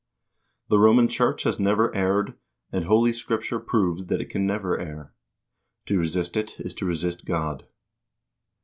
The Roman Church has never erred, and Holy Scripture proves that it can never err. To resist it is to resist God."